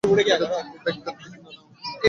এটা তো খুব একটা তীক্ষ্ণও না!